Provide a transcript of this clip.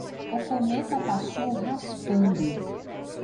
O cometa passou raspando